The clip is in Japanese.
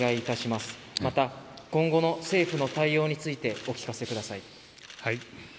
また今後の政府の対応についてお聞かせください。